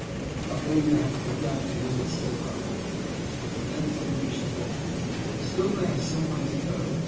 Luckily they had to go down the hill instead of up it. At length they reached the bottom; still they had some way to go.